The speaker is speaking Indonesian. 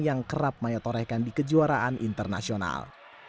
yang kerap maya torehkan di kejuaraan internasional